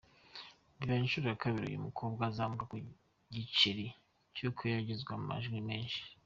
Bibaye inshuro ya kabiri uyu mukobwa azamuka ku giceri cy’uko yagizw amajwi menshi.